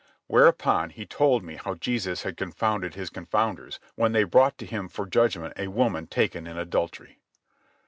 Whereupon he told me how Jesus had confounded his confounders when they brought to him for judgment a woman taken in adultery.